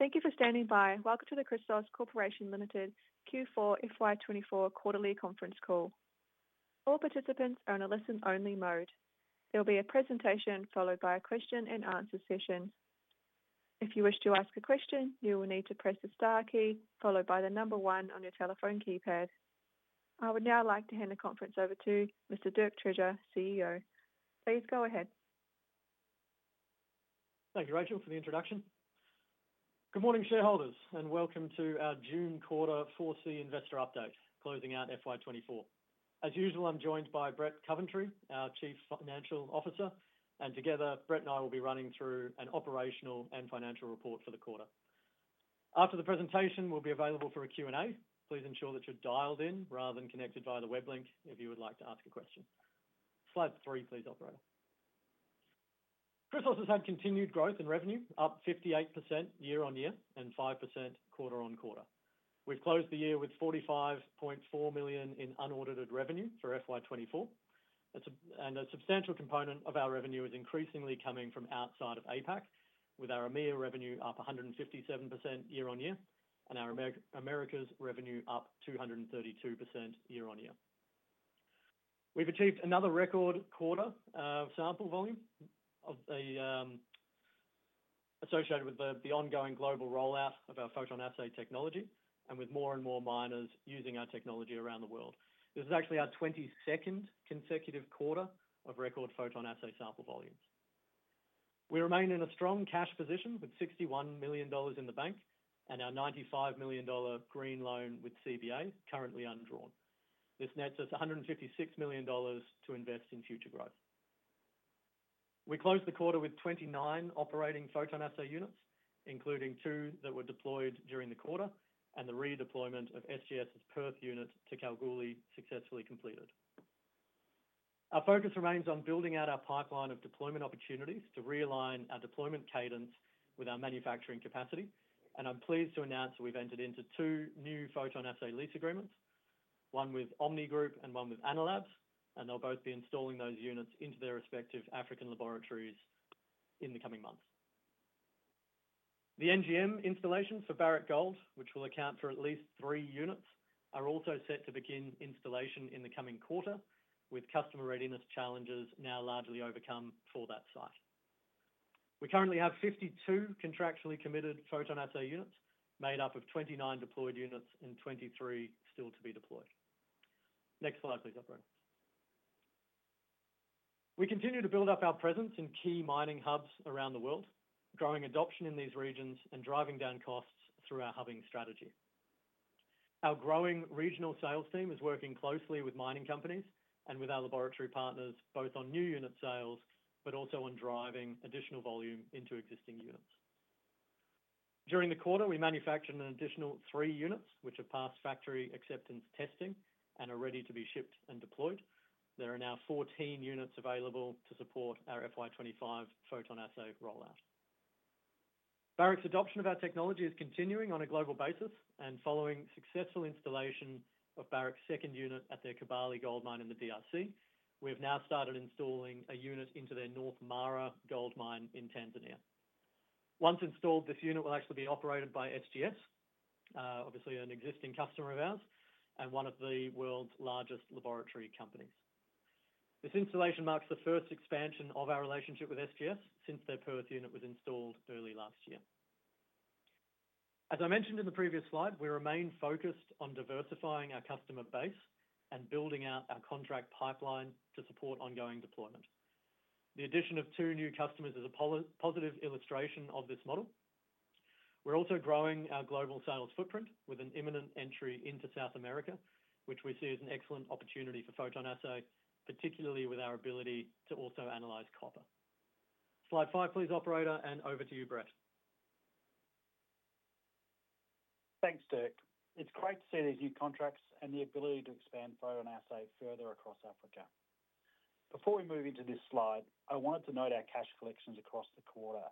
Thank you for standing by. Welcome to the Chrysos Corporation Limited Q4 FY24 Quarterly Conference Call. All participants are in a listen-only mode. There will be a presentation followed by a question-and-answer session. If you wish to ask a question, you will need to press the star key followed by the number one on your telephone keypad. I would now like to hand the conference over to Mr. Dirk Treasure, CEO. Please go ahead. Thank you, Rachel, for the introduction. Good morning, shareholders, and welcome to our June Quarter 4C Investor Update, closing out FY24. As usual, I'm joined by Brett Coventry, our Chief Financial Officer, and together, Brett and I will be running through an operational and financial report for the quarter. After the presentation, we'll be available for a Q&A. Please ensure that you're dialed in rather than connected via the web link if you would like to ask a question. Slide three, please, operator. Chrysos has had continued growth in revenue, up 58% year-on-year and 5% quarter-on-quarter. We've closed the year with 45.4 million in unaudited revenue for FY24, and a substantial component of our revenue is increasingly coming from outside of APAC, with our EMEA revenue up 157% year-on-year and our Americas revenue up 232% year-on-year. We've achieved another record quarter of sample volume associated with the ongoing global rollout of our PhotonAssay technology and with more and more miners using our technology around the world. This is actually our 22nd consecutive quarter of record PhotonAssay sample volumes. We remain in a strong cash position with 61 million dollars in the bank and our 95 million dollar green loan with CBA currently undrawn. This nets us 156 million dollars to invest in future growth. We closed the quarter with 29 operating PhotonAssay units, including two that were deployed during the quarter and the redeployment of SGS's Perth unit to Kalgoorlie successfully completed. Our focus remains on building out our pipeline of deployment opportunities to realign our deployment cadence with our manufacturing capacity, and I'm pleased to announce that we've entered into two new PhotonAssay lease agreements, one with Omni Group and one with Analabs, and they'll both be installing those units into their respective African laboratories in the coming months. The NGM installations for Barrick Gold, which will account for at least three units, are also set to begin installation in the coming quarter, with customer readiness challenges now largely overcome for that site. We currently have 52 contractually committed PhotonAssay units made up of 29 deployed units and 23 still to be deployed. Next slide, please, operator. We continue to build up our presence in key mining hubs around the world, growing adoption in these regions, and driving down costs through our hubbing strategy. Our growing regional sales team is working closely with mining companies and with our laboratory partners both on new unit sales but also on driving additional volume into existing units. During the quarter, we manufactured an additional 3 units which have passed factory acceptance testing and are ready to be shipped and deployed. There are now 14 units available to support our FY25 PhotonAssay rollout. Barrick's adoption of our technology is continuing on a global basis, and following successful installation of Barrick's second unit at their Kibali Gold Mine in the DRC, we have now started installing a unit into their North Mara Gold Mine in Tanzania. Once installed, this unit will actually be operated by SGS, obviously an existing customer of ours and one of the world's largest laboratory companies. This installation marks the first expansion of our relationship with SGS since their Perth unit was installed early last year. As I mentioned in the previous slide, we remain focused on diversifying our customer base and building out our contract pipeline to support ongoing deployment. The addition of two new customers is a positive illustration of this model. We're also growing our global sales footprint with an imminent entry into South America, which we see as an excellent opportunity for PhotonAssay, particularly with our ability to also analyze copper. Slide five, please, operator, and over to you, Brett. Thanks, Dirk. It's great to see these new contracts and the ability to expand PhotonAssay further across Africa. Before we move into this slide, I wanted to note our cash collections across the quarter,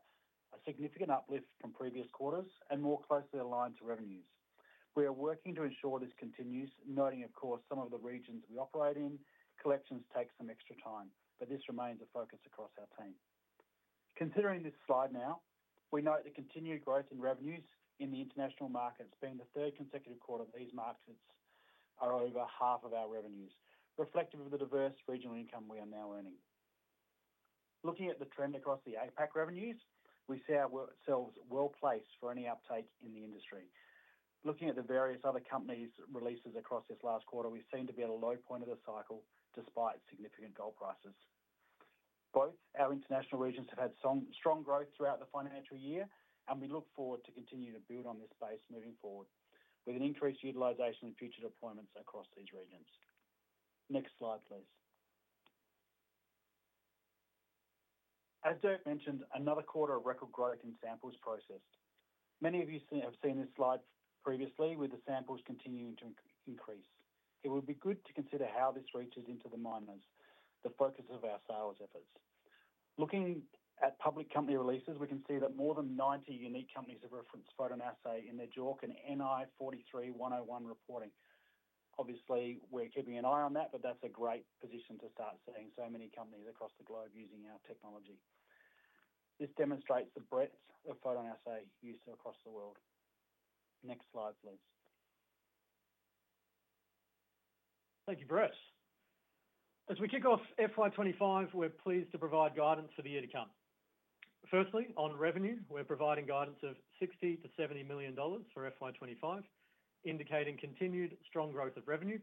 a significant uplift from previous quarters and more closely aligned to revenues. We are working to ensure this continues, noting, of course, some of the regions we operate in, collections take some extra time, but this remains a focus across our team. Considering this slide now, we note the continued growth in revenues in the international markets being the third consecutive quarter of these markets are over half of our revenues, reflective of the diverse regional income we are now earning. Looking at the trend across the APAC revenues, we see ourselves well placed for any uptake in the industry. Looking at the various other companies' releases across this last quarter, we seem to be at a low point of the cycle despite significant gold prices. Both our international regions have had strong growth throughout the financial year, and we look forward to continuing to build on this base moving forward with an increased utilization in future deployments across these regions. Next slide, please. As Dirk mentioned, another quarter of record growth in samples processed. Many of you have seen this slide previously with the samples continuing to increase. It would be good to consider how this reaches into the miners, the focus of our sales efforts. Looking at public company releases, we can see that more than 90 unique companies have referenced PhotonAssay in their JORC and NI 43-101 reporting. Obviously, we're keeping an eye on that, but that's a great position to start seeing so many companies across the globe using our technology. This demonstrates the breadth of PhotonAssay use across the world. Next slide, please. Thank you, Brett. As we kick off FY25, we're pleased to provide guidance for the year to come. Firstly, on revenue, we're providing guidance of 60 million-70 million dollars for FY25, indicating continued strong growth of revenue,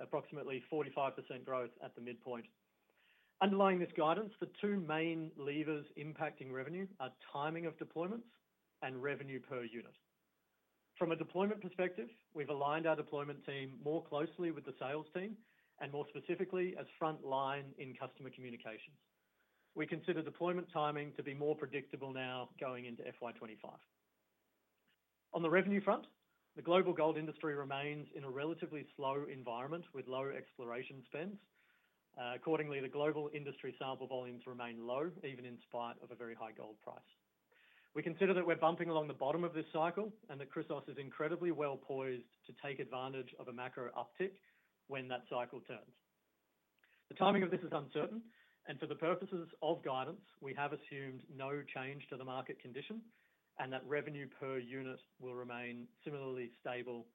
approximately 45% growth at the midpoint. Underlying this guidance, the two main levers impacting revenue are timing of deployments and revenue per unit. From a deployment perspective, we've aligned our deployment team more closely with the sales team and more specifically as frontline in customer communications. We consider deployment timing to be more predictable now going into FY25. On the revenue front, the global gold industry remains in a relatively slow environment with low exploration spends. Accordingly, the global industry sample volumes remain low, even in spite of a very high gold price. We consider that we're bumping along the bottom of this cycle and that Chrysos is incredibly well poised to take advantage of a macro uptick when that cycle turns. The timing of this is uncertain, and for the purposes of guidance, we have assumed no change to the market condition and that revenue per unit will remain similarly stable,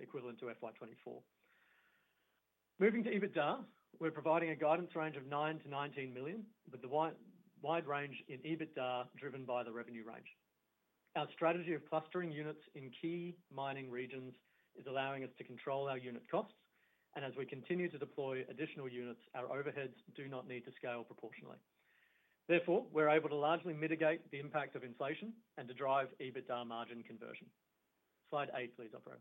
equivalent to FY24. Moving to EBITDA, we're providing a guidance range of 9 million-19 million, with the wide range in EBITDA driven by the revenue range. Our strategy of clustering units in key mining regions is allowing us to control our unit costs, and as we continue to deploy additional units, our overheads do not need to scale proportionally. Therefore, we're able to largely mitigate the impact of inflation and to drive EBITDA margin conversion. Slide eight, please, operator.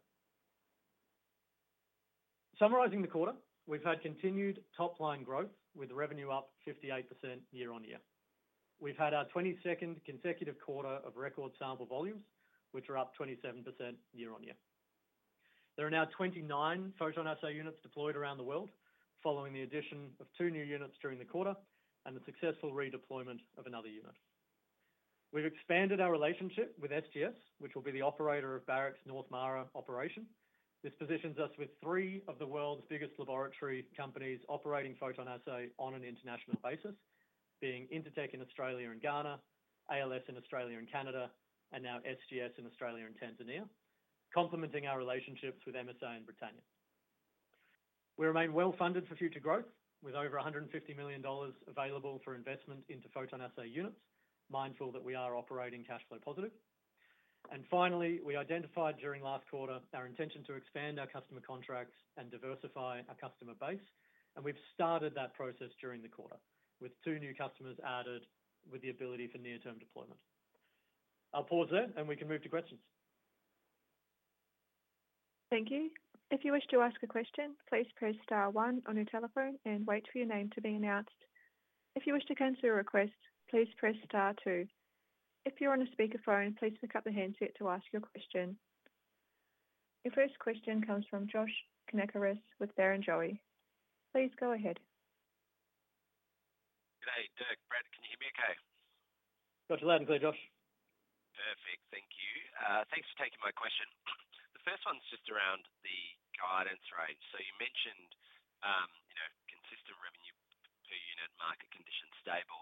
Summarizing the quarter, we've had continued top-line growth with revenue up 58% year-on-year. We've had our 22nd consecutive quarter of record sample volumes, which are up 27% year-on-year. There are now 29 PhotonAssay units deployed around the world following the addition of 2 new units during the quarter and the successful redeployment of another unit. We've expanded our relationship with SGS, which will be the operator of Barrick's North Mara operation. This positions us with three of the world's biggest laboratory companies operating PhotonAssay on an international basis, being Intertek in Australia and Ghana, ALS in Australia and Canada, and now SGS in Australia and Tanzania, complementing our relationships with MSA and Britannia. We remain well funded for future growth with over 150 million dollars available for investment into PhotonAssay units, mindful that we are operating cash flow positive. Finally, we identified during last quarter our intention to expand our customer contracts and diversify our customer base, and we've started that process during the quarter with two new customers added with the ability for near-term deployment. I'll pause there, and we can move to questions. Thank you. If you wish to ask a question, please press star one on your telephone and wait for your name to be announced. If you wish to cancel your request, please press star two. If you're on a speakerphone, please pick up the handset to ask your question. Your first question comes from Josh Kannourakis with Barrenjoey. Please go ahead. Good day, Dirk. Brett, can you hear me okay? Not too loud and clear, Josh. Perfect. Thank you. Thanks for taking my question. The first one's just around the guidance range. So you mentioned consistent revenue per unit, market conditions stable.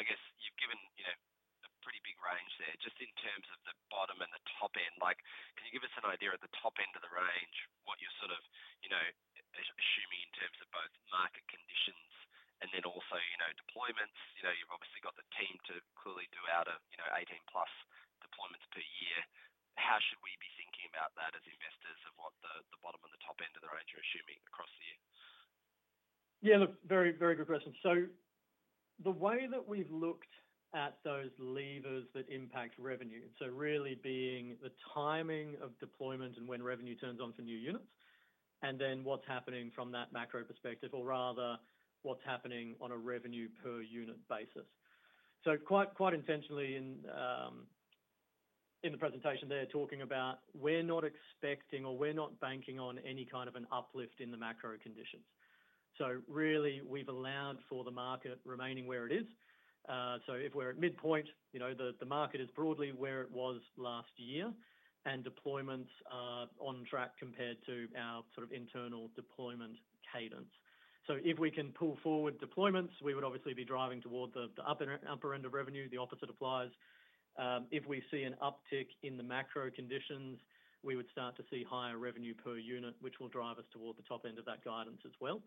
I guess you've given a pretty big range there. Just in terms of the bottom and the top end, can you give us an idea at the top end of the range what you're sort of assuming in terms of both market conditions and then also deployments? You've obviously got the team to clearly do out of 18+ deployments per year. How should we be thinking about that as investors of what the bottom and the top end of the range you're assuming across the year? Yeah, look, very, very good question. So the way that we've looked at those levers that impact revenue, so really being the timing of deployment and when revenue turns on for new units, and then what's happening from that macro perspective, or rather what's happening on a revenue per unit basis. So quite intentionally in the presentation there, talking about we're not expecting or we're not banking on any kind of an uplift in the macro conditions. So really, we've allowed for the market remaining where it is. So if we're at midpoint, the market is broadly where it was last year, and deployments are on track compared to our sort of internal deployment cadence. So if we can pull forward deployments, we would obviously be driving toward the upper end of revenue. The opposite applies. If we see an uptick in the macro conditions, we would start to see higher revenue per unit, which will drive us toward the top end of that guidance as well.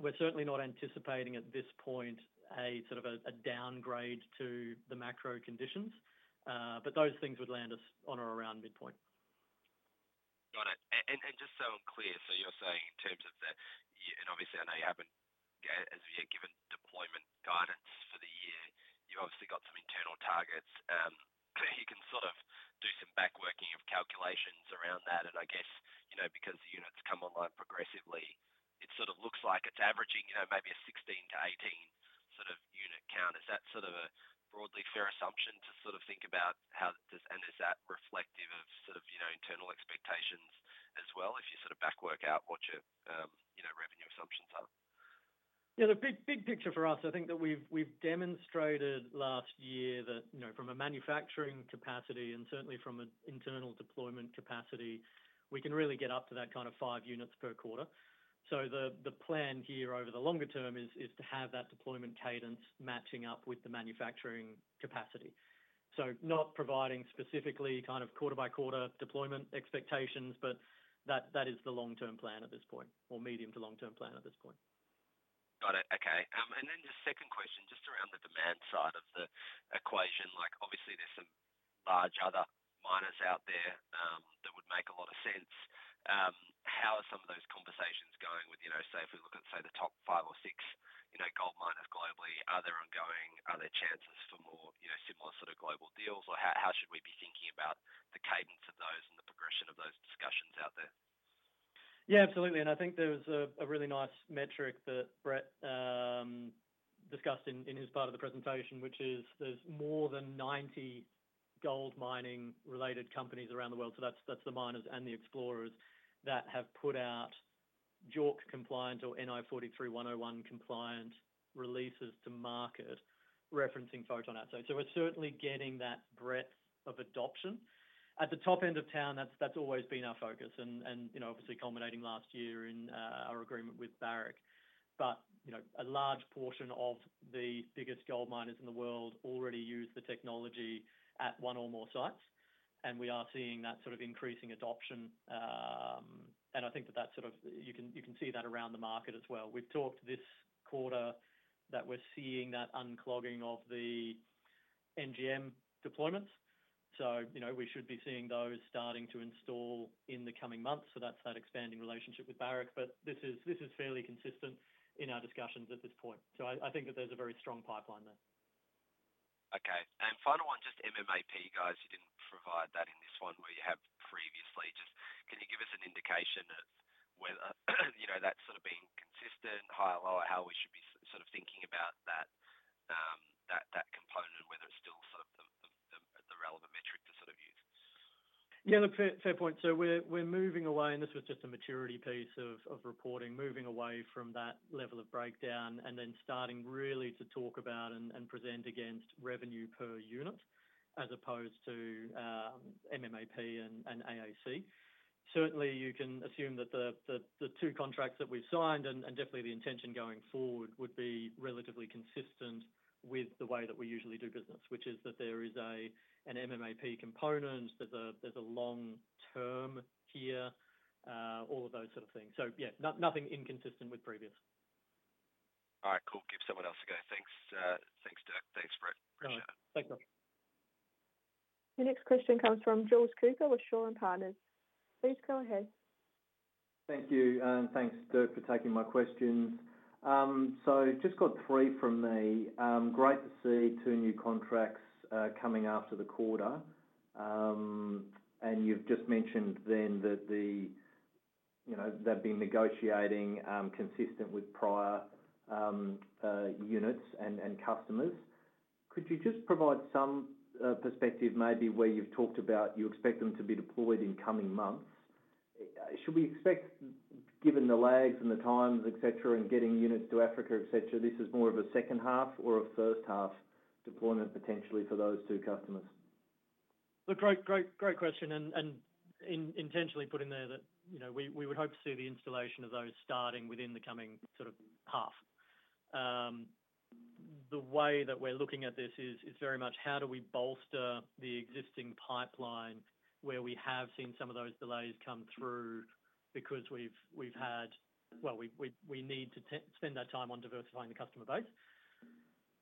We're certainly not anticipating at this point a sort of a downgrade to the macro conditions, but those things would land us on or around midpoint. Got it. Just so I'm clear, so you're saying in terms of the, and obviously, I know you haven't, as you're given deployment guidance for the year, you've obviously got some internal targets. You can sort of do some backworking of calculations around that. And I guess because the units come online progressively, it sort of looks like it's averaging maybe a 16-18 sort of unit count. Is that sort of a broadly fair assumption to sort of think about how, and is that reflective of sort of internal expectations as well if you sort of backwork out what your revenue assumptions are? Yeah, the big picture for us, I think that we've demonstrated last year that from a manufacturing capacity and certainly from an internal deployment capacity, we can really get up to that kind of 5 units per quarter. So the plan here over the longer term is to have that deployment cadence matching up with the manufacturing capacity. So not providing specifically kind of quarter-by-quarter deployment expectations, but that is the long-term plan at this point, or medium to long-term plan at this point. Got it. Okay. And then the second question, just around the demand side of the equation, obviously, there's some large other miners out there that would make a lot of sense. How are some of those conversations going with, say, if we look at, say, the top five or six gold miners globally? Are there ongoing, are there chances for more similar sort of global deals, or how should we be thinking about the cadence of those and the progression of those discussions out there? Yeah, absolutely. And I think there was a really nice metric that Brett discussed in his part of the presentation, which is there's more than 90 gold mining-related companies around the world. So that's the miners and the explorers that have put out JORC-compliant or NI 43-101-compliant releases to market referencing PhotonAssay. So we're certainly getting that breadth of adoption. At the top end of town, that's always been our focus, and obviously culminating last year in our agreement with Barrick. But a large portion of the biggest gold miners in the world already use the technology at one or more sites, and we are seeing that sort of increasing adoption. And I think that that sort of you can see that around the market as well. We've talked this quarter that we're seeing that unclogging of the NGM deployments. We should be seeing those starting to install in the coming months. That's that expanding relationship with Barrick. This is fairly consistent in our discussions at this point. I think that there's a very strong pipeline there. Okay. And final one, just MMAP, guys. You didn't provide that in this one where you have previously. Just, can you give us an indication of whether that's sort of being consistent, higher, lower, how we should be sort of thinking about that component, whether it's still sort of the relevant metric to sort of use? Yeah, look, fair point. So we're moving away, and this was just a maturity piece of reporting, moving away from that level of breakdown and then starting really to talk about and present against revenue per unit as opposed to MMAP and AAC. Certainly, you can assume that the two contracts that we've signed and definitely the intention going forward would be relatively consistent with the way that we usually do business, which is that there is an MMAP component, there's a long term here, all of those sort of things. So yeah, nothing inconsistent with previous. All right. Cool. Give someone else a go. Thanks, Dirk. Thanks, Brett. Appreciate it. Thanks, Josh. The next question comes from Jules Cooper with Shaw and Partners. Please go ahead. Thank you. Thanks, Dirk, for taking my questions. So just got 3 from me. Great to see 2 new contracts coming after the quarter. And you've just mentioned then that they've been negotiating consistent with prior units and customers. Could you just provide some perspective maybe where you've talked about you expect them to be deployed in coming months? Should we expect, given the lags and the times, etc., and getting units to Africa, etc., this is more of a second half or a first half deployment potentially for those 2 customers? Look, great question. And intentionally put in there that we would hope to see the installation of those starting within the coming sort of half. The way that we're looking at this is very much how do we bolster the existing pipeline where we have seen some of those delays come through because we've had, well, we need to spend our time on diversifying the customer base.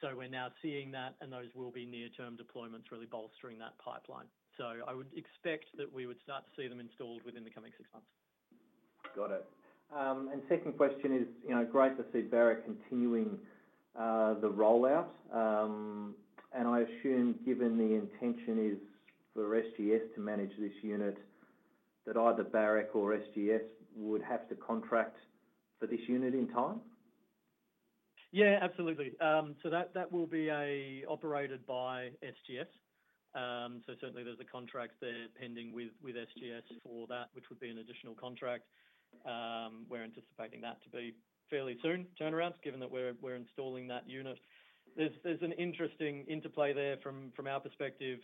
So we're now seeing that, and those will be near-term deployments really bolstering that pipeline. So I would expect that we would start to see them installed within the coming six months. Got it. Second question is great to see Barrick continuing the rollout. I assume given the intention is for SGS to manage this unit that either Barrick or SGS would have to contract for this unit in time? Yeah, absolutely. So that will be operated by SGS. So certainly, there's a contract there pending with SGS for that, which would be an additional contract. We're anticipating that to be fairly soon turnarounds, given that we're installing that unit. There's an interesting interplay there from our perspective.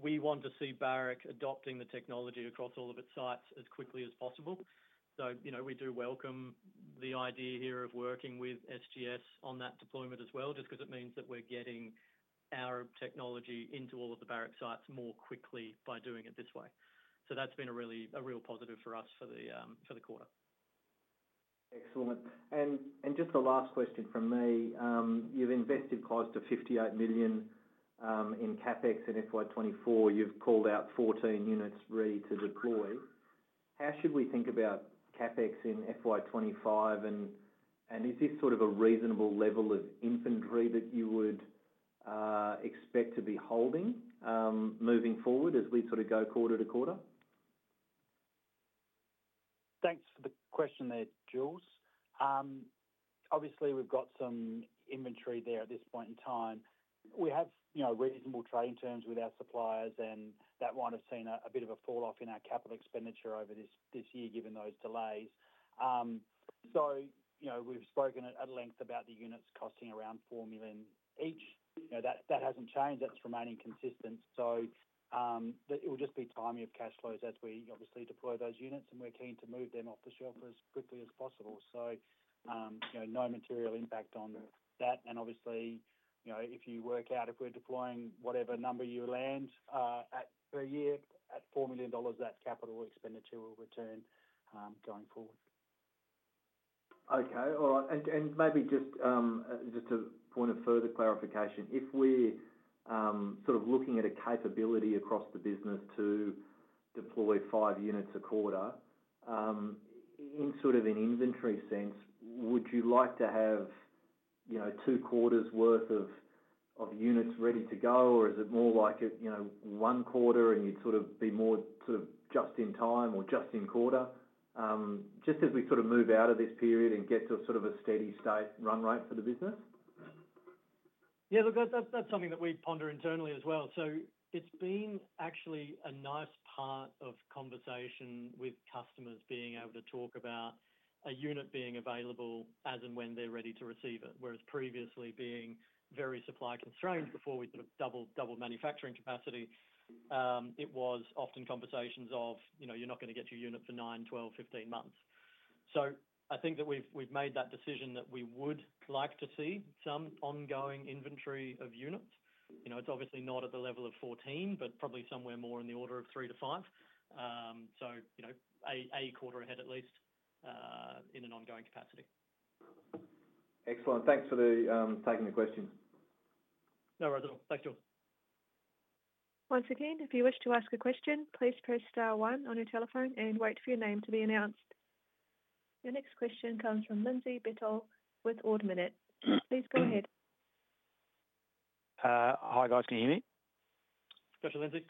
We want to see Barrick adopting the technology across all of its sites as quickly as possible. So we do welcome the idea here of working with SGS on that deployment as well, just because it means that we're getting our technology into all of the Barrick sites more quickly by doing it this way. So that's been a real positive for us for the quarter. Excellent. Just the last question from me. You've invested close to 58 million in CapEx in FY24. You've called out 14 units ready to deploy. How should we think about CapEx in FY25? And is this sort of a reasonable level of inventory that you would expect to be holding moving forward as we sort of go quarter to quarter? Thanks for the question there, George. Obviously, we've got some inventory there at this point in time. We have reasonable trading terms with our suppliers, and that might have seen a bit of a falloff in our capital expenditure over this year, given those delays. So we've spoken at length about the units costing around 4 million each. That hasn't changed. That's remaining consistent. So it will just be timing of cash flows as we obviously deploy those units, and we're keen to move them off the shelf as quickly as possible. So no material impact on that. And obviously, if you work out if we're deploying whatever number you land per year at 4 million dollars, that capital expenditure will return going forward. Okay. All right. Maybe just a point of further clarification. If we're sort of looking at a capability across the business to deploy 5 units a quarter, in sort of an inventory sense, would you like to have two quarters' worth of units ready to go, or is it more like one quarter and you'd sort of be more sort of just in time or just in quarter just as we sort of move out of this period and get to sort of a steady state run rate for the business? Yeah, look, that's something that we ponder internally as well. So it's been actually a nice part of conversation with customers being able to talk about a unit being available as and when they're ready to receive it, whereas previously being very supply constrained before we sort of double manufacturing capacity, it was often conversations of, "You're not going to get your unit for 9 months, 12 months, 15 months." So I think that we've made that decision that we would like to see some ongoing inventory of units. It's obviously not at the level of 14, but probably somewhere more in the order of 3-5. So a quarter ahead at least in an ongoing capacity. Excellent. Thanks for taking the question. No worries at all. Thanks, Jules. Once again, if you wish to ask a question, please press star one on your telephone and wait for your name to be announced. The next question comes from Lindsay Bettiol with Ord Minnett. Please go ahead. Hi, guys. Can you hear me? Got you,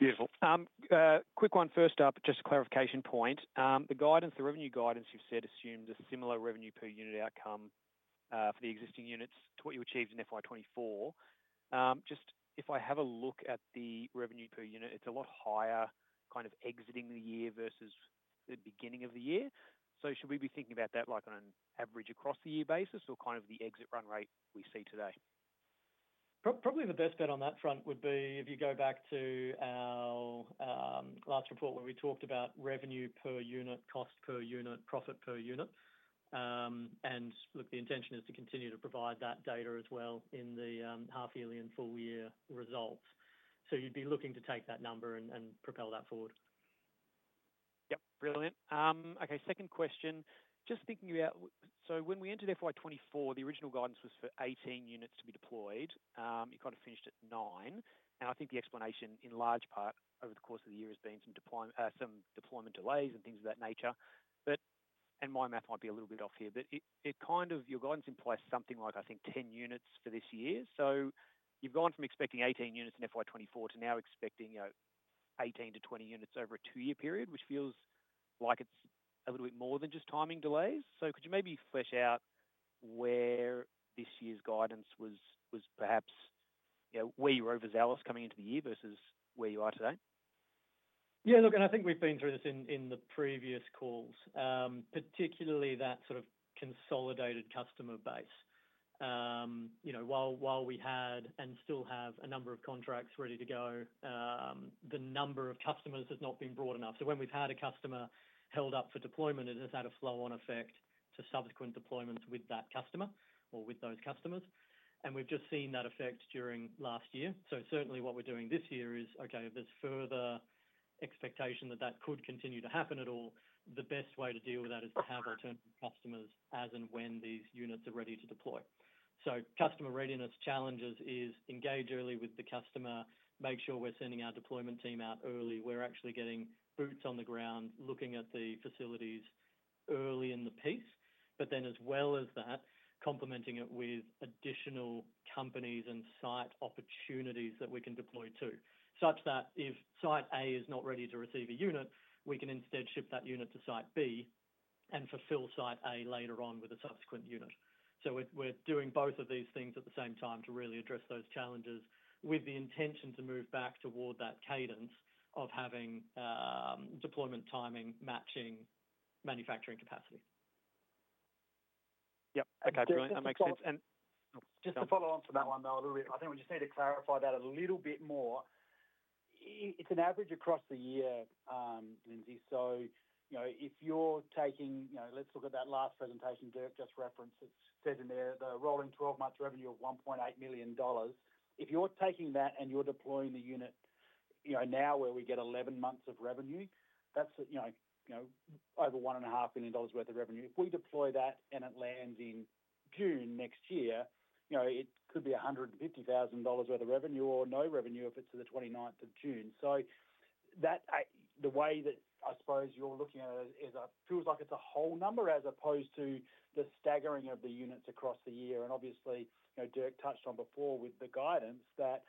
Lindsay. Beautiful. Quick one first up, just a clarification point. The revenue guidance you've said assumed a similar revenue per unit outcome for the existing units to what you achieved in FY24. Just if I have a look at the revenue per unit, it's a lot higher kind of exiting the year versus the beginning of the year. So should we be thinking about that on an average across the year basis or kind of the exit run rate we see today? Probably the best bet on that front would be if you go back to our last report where we talked about revenue per unit, cost per unit, profit per unit. And look, the intention is to continue to provide that data as well in the half-yearly and full-year results. So you'd be looking to take that number and propel that forward. Yep. Brilliant. Okay, second question. Just thinking about, so when we entered FY24, the original guidance was for 18 units to be deployed. You kind of finished at 9. And I think the explanation in large part over the course of the year has been some deployment delays and things of that nature. And my math might be a little bit off here, but it kind of, your guidance implies something like, I think, 10 units for this year. So you've gone from expecting 18 units in FY24 to now expecting 18-20 units over a two-year period, which feels like it's a little bit more than just timing delays. So could you maybe flesh out where this year's guidance was perhaps where you were overzealous coming into the year versus where you are today? Yeah, look, and I think we've been through this in the previous calls, particularly that sort of consolidated customer base. While we had and still have a number of contracts ready to go, the number of customers has not been broad enough. So when we've had a customer held up for deployment, it has had a flow-on effect to subsequent deployments with that customer or with those customers. And we've just seen that effect during last year. So certainly what we're doing this year is, okay, if there's further expectation that that could continue to happen at all, the best way to deal with that is to have alternative customers as and when these units are ready to deploy. So customer readiness challenges is engage early with the customer, make sure we're sending our deployment team out early. We're actually getting boots on the ground, looking at the facilities early in the piece, but then as well as that, complementing it with additional companies and site opportunities that we can deploy to, such that if site A is not ready to receive a unit, we can instead ship that unit to site B and fulfill site A later on with a subsequent unit. So we're doing both of these things at the same time to really address those challenges with the intention to move back toward that cadence of having deployment timing matching manufacturing capacity. Yep. Okay, brilliant. That makes sense. And just to follow on from that one though, I think we just need to clarify that a little bit more. It's an average across the year, Lindsay. So if you're taking, let's look at that last presentation Dirk just referenced. It said in there the rolling 12-month revenue of 1.8 million dollars. If you're taking that and you're deploying the unit now where we get 11 months of revenue, that's over 1.5 million dollars worth of revenue. If we deploy that and it lands in June next year, it could be 150,000 dollars worth of revenue or no revenue if it's the 29th of June. So the way that I suppose you're looking at it is it feels like it's a whole number as opposed to the staggering of the units across the year. And obviously, Dirk touched on before with the guidance that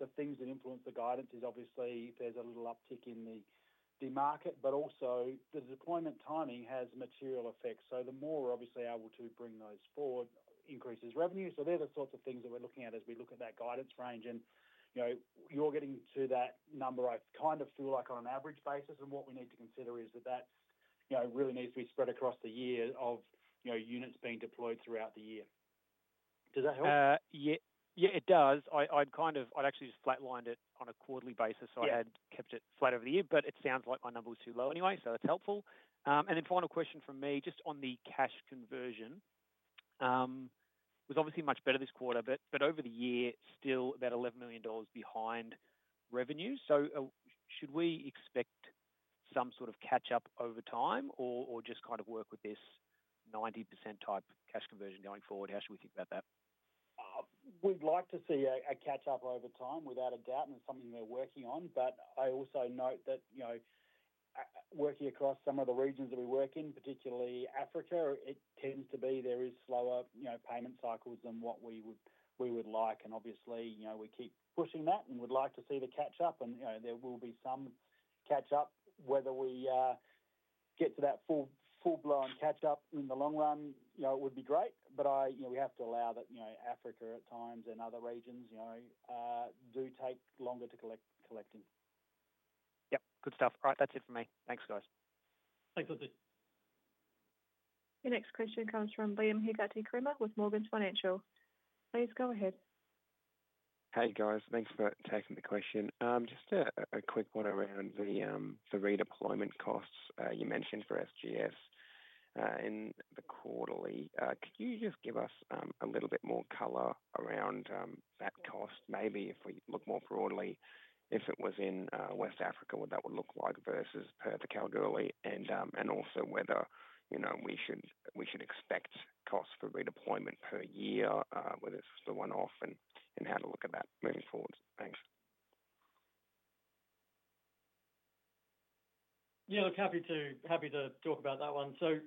the things that influence the guidance is obviously there's a little uptick in the market, but also the deployment timing has material effects. So the more we're obviously able to bring those forward increases revenue. So they're the sorts of things that we're looking at as we look at that guidance range. And you're getting to that number I kind of feel like on an average basis. And what we need to consider is that that really needs to be spread across the year of units being deployed throughout the year. Does that help? Yeah, it does. I'd actually just flatlined it on a quarterly basis. So I had kept it flat over the year, but it sounds like my number was too low anyway, so that's helpful. And then final question from me just on the cash conversion. It was obviously much better this quarter, but over the year, still about 11 million dollars behind revenue. So should we expect some sort of catch-up over time or just kind of work with this 90% type cash conversion going forward? How should we think about that? We'd like to see a catch-up over time without a doubt, and it's something we're working on. But I also note that working across some of the regions that we work in, particularly Africa, it tends to be there are slower payment cycles than what we would like. And obviously, we keep pushing that and would like to see the catch-up, and there will be some catch-up. Whether we get to that full-blown catch-up in the long run, it would be great, but we have to allow that Africa at times and other regions do take longer to collecting. Yep. Good stuff. All right. That's it for me. Thanks, guys. Thanks, Lindsay. The next question comes from Liam Hegarty-Cremer with Morgans Financial. Please go ahead. Hey, guys. Thanks for taking the question. Just a quick one around the redeployment costs you mentioned for SGS in the quarterly. Could you just give us a little bit more color around that cost, maybe if we look more broadly, if it was in West Africa, what that would look like versus per the Kalgoorlie, and also whether we should expect costs for redeployment per year, whether it's for one-off and how to look at that moving forward? Thanks. Yeah, look, happy to talk about that one. So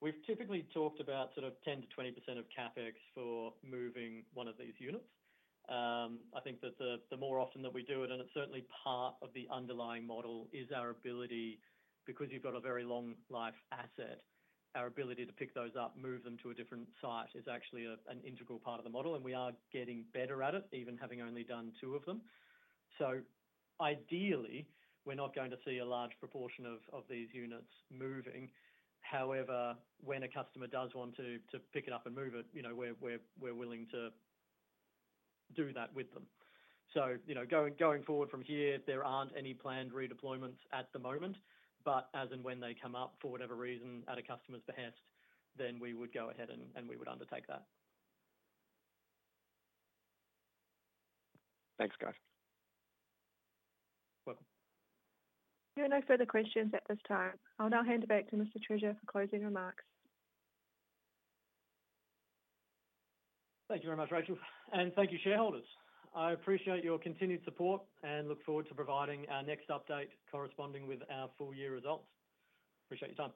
we've typically talked about sort of 10%-20% of CapEx for moving one of these units. I think that the more often that we do it, and it's certainly part of the underlying model, is our ability, because you've got a very long-life asset, our ability to pick those up, move them to a different site is actually an integral part of the model. We are getting better at it, even having only done two of them. So ideally, we're not going to see a large proportion of these units moving. However, when a customer does want to pick it up and move it, we're willing to do that with them. So going forward from here, there aren't any planned redeployments at the moment, but as and when they come up for whatever reason at a customer's behest, then we would go ahead and we would undertake that. Thanks, guys. Welcome. There are no further questions at this time. I'll now hand it back to Mr. Treasure for closing remarks. Thank you very much, Rachel. Thank you, shareholders. I appreciate your continued support and look forward to providing our next update corresponding with our full-year results. Appreciate your time.